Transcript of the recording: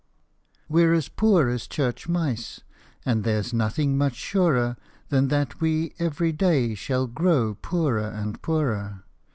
We 're as poor as church mice, and there 's nothing much surer Than that we every day shall grow poorer and poorer.